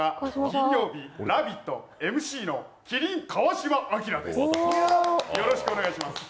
金曜日「ラヴィット！」、ＭＣの麒麟・川島明です。